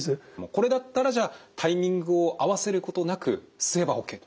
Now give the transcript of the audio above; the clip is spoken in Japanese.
これだったらじゃあタイミングを合わせることなく吸えばＯＫと。